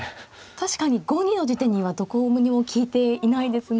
確かに５二の地点にはどこにも利いていないですが。